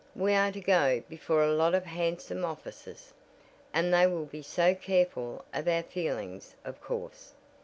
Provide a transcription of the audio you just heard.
We are to go before a lot of handsome officers, and they will be so careful of our feelings, of course.